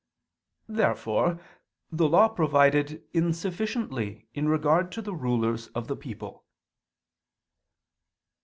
Therefore the Law provided insufficiently in regard to the rulers of the people.